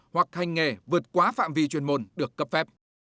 hoặc hành nghề vượt quá phạm vi chuyên môn được cấp phép